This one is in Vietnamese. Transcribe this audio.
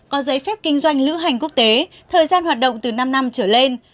có giấy phép kinh doanh lữ hành quốc tế thời gian hoạt động từ năm năm trở lên